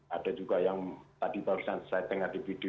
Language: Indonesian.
ada juga yang tadi saya dengar di video